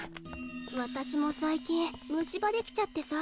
私も最近虫歯できちゃってさ。